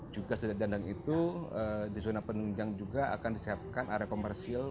juga sederhana itu di zona penunjang juga akan disiapkan area komersil